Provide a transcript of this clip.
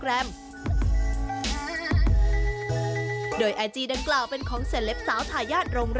และก็มีผู้ใช้ไอจีคนหนึ่งเข้ามาคอมเม้นต์เป็นภาษาอังกฤษ